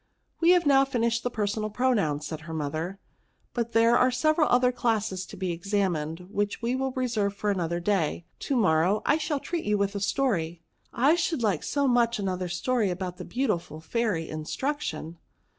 " We have now finished the personal pro nouns," said her mother; but there are several other classes to be examined, which we will reserve for another day. To morrow I shall treat you with a story." " I should like so much another story about the beautiful Fairy, Instruction."